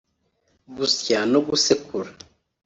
gusya no gusekura